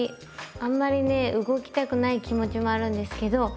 あんまりね動きたくない気持ちもあるんですけど。